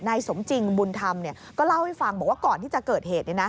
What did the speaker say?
ในสมจงภาพบุญธรรมว่าก่อนที่จะเกิดเหตุ